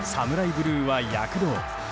ブルーは躍動。